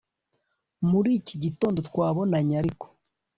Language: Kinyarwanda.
muri iki gitondo twabonanye ariko